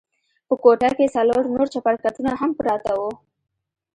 په کوټه کښې څلور نور چپرکټونه هم پراته وو.